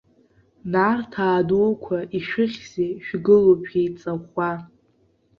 Нарҭаа дуқәа, ишәыхьзеи, шәгылоуп шәеиҵаӷәӷәа?